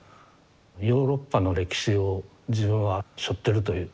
ヨーロッパの歴史を自分はしょってるという。